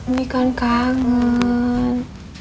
ini kan kangen